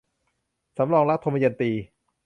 สำรองรัก - ทมยันตี